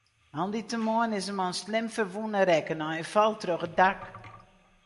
Moandeitemoarn is in man slim ferwûne rekke nei in fal troch in dak.